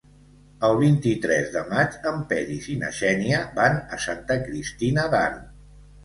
El vint-i-tres de maig en Peris i na Xènia van a Santa Cristina d'Aro.